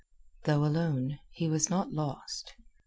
Though alone, he was not lost.